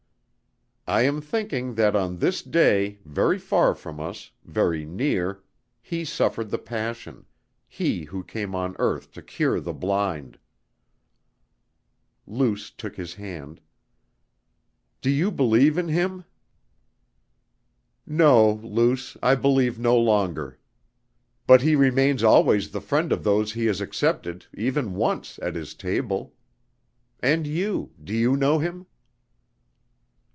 "I am thinking that on this day, very far from us, very near, He suffered the Passion, He who came on earth to cure the blind." Luce took his hand: "Do you believe in Him?" "No, Luce, I believe no longer. But he remains always the friend of those he has accepted, even once, at his table. And you, do you know him?"